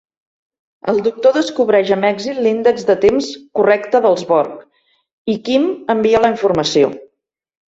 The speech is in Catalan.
El doctor descobreix amb èxit l'índex de temps correcte dels Borg i Kim envia la informació.